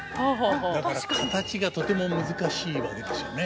だから形がとても難しいわけですよね。